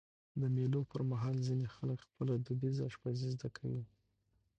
د مېلو پر مهال ځيني خلک خپله دودیزه اشپزي زده کوي.